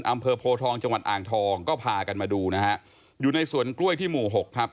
อำเภอโพทองจังหวัดอ่างทองก็พากันมาดูนะฮะอยู่ในสวนกล้วยที่หมู่หกครับ